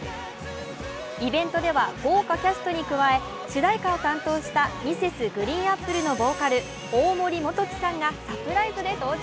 イベントでは、豪華キャストに加え主題歌を担当したＭｒｓ．ＧＲＥＥＮＡＰＰＬＥのボーカル、大森元貴さんがサプライズで登場。